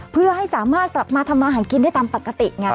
เพื่อให้สามารถกลับมาทำมาหากินได้ตามปกติไง